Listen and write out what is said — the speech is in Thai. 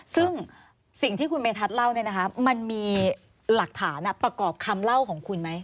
ซึ่งสิ่งที่คุณเมธัศนเล่าเนี่ยนะคะมันมีหลักฐานประกอบคำเล่าของคุณไหม